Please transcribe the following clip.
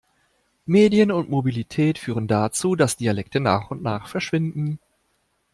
Medien und Mobilität führen dazu, dass Dialekte nach und nach verschwinden.